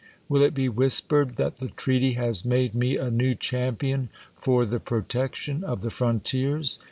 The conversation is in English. Will it be whispered that the treaty has made me a new champion for the protection of the frontiers